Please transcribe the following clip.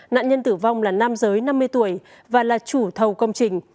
nạn nhân tử vong là nam giới năm mươi tuổi và là chủ thầu công trình